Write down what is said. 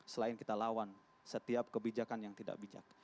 selain kita lawan setiap kebijakan yang tidak bijak